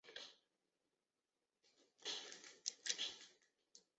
任何被鳃条之间的过滤器官所阻塞的物体会被鲸鲨吞下去。